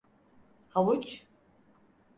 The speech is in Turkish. Havuç…